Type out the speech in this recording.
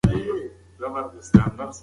سترګې دې پرانیزه او د نوي لمر ننداره وکړه.